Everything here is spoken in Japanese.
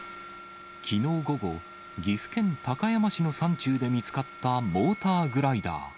きのう午後、岐阜県高山市の山中で見つかったモーターグライダー。